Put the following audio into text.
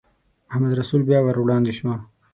محمدرسول بیا ور وړاندې شو.